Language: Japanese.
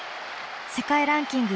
世界ランキング